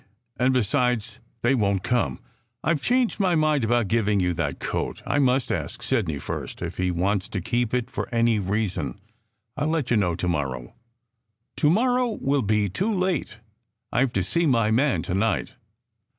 And besides, they won t come. I ve changed my mind about giving you that coat. I must ask Sidney first if he wants to keep it for any reason. I ll let you know to morrow." "To morrow will be too late. I ve to see my man to night."